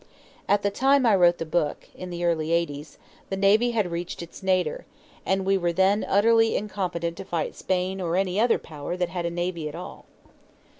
At the time I wrote the book, in the early eighties, the navy had reached its nadir, and we were then utterly incompetent to fight Spain or any other power that had a navy at all.